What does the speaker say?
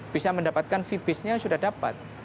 bisa mendapatkan fee base nya sudah dapat